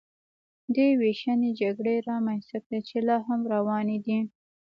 دې وېشنې جګړې رامنځته کړې چې لا هم روانې دي